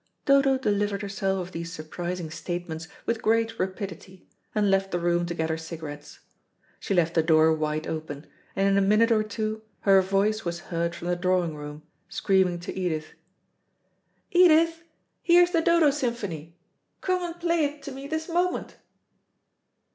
Dodo delivered herself of these surprising statements with great rapidity, and left the room to get her cigarettes. She left the door wide open, and in a minute or two her voice was heard from the drawing room, screaming to Edith. "Edith, here's the 'Dodo Symphony'; come and play it to me this moment."